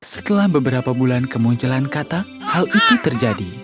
setelah beberapa bulan kemunculan kata hal itu terjadi